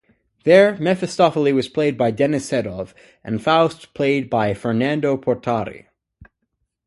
There Mefistofele was played by Denis Sedov and Faust played by Fernando Portari.